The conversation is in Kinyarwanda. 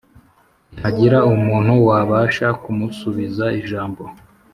Ntihagira umuntu wabasha kumusubiza ijambo